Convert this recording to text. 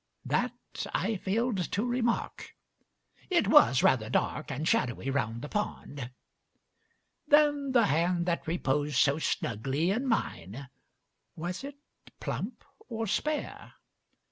That I failŌĆÖd to remark: it was rather dark And shadowy round the pond. Then the hand that reposŌĆÖd so snugly In mine, ŌĆöwas it plump or spare?